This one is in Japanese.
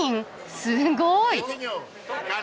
すごい！